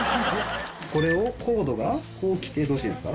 これをコードがこう来てどうしてるんですか？